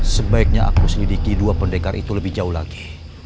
sebaiknya aku selidiki dua pendekar itu lebih jauh lagi